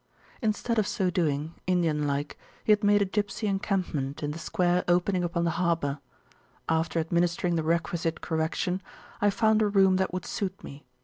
Instead of so doing, Indian like, he had made a gipsy encampment in the square opening upon the harbour. After administering the requisite correction, I found a room that would suit me.